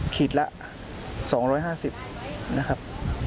ขีดละ๒๕๐นะครับ